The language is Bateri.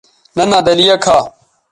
ننھا دلیہ کھا